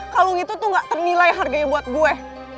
kalung itu tuh gak ternilai harganya buat gue